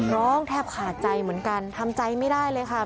ร้องแทบขาดใจเหมือนกันทำใจไม่ได้เลยค่ะ